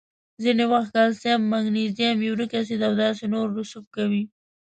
ځینې وخت کلسیم، مګنیزیم، یوریک اسید او داسې نور رسوب کوي.